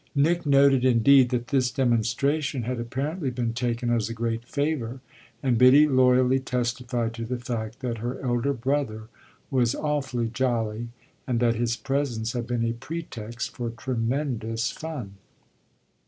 Nick noted indeed that this demonstration had apparently been taken as a great favour, and Biddy loyally testified to the fact that her elder brother was awfully jolly and that his presence had been a pretext for tremendous fun.